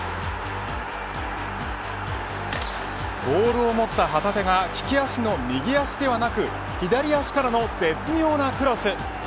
ボールを持った旗手が利き足の右足ではなく左足からの絶妙なクロス。